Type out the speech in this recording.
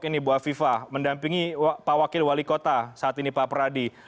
ini bu afifah mendampingi pak wakil wali kota saat ini pak pradi